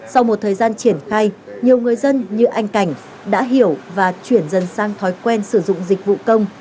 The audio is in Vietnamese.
sau một thời gian triển khai nhiều người dân như anh cảnh đã hiểu và chuyển dần sang thói quen sử dụng dịch vụ công